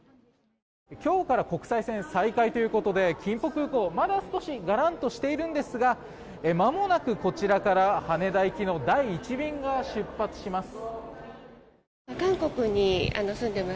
今日から国際線再開ということで金浦空港、まだ少しがらんとしているんですがまもなくこちらから羽田行きの第１便が出発します。